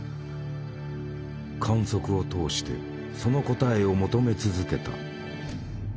観測を通してその答えを求め続けた。